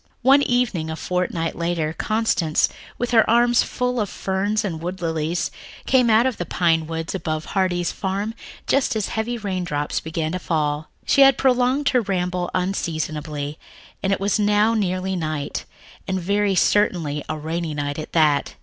One evening a fortnight later Constance, with her arms full of ferns and wood lilies, came out of the pine woods above Heartsease Farm just as heavy raindrops began to fall. She had prolonged her ramble unseasonably, and it was now nearly night, and very certainly a rainy night at that.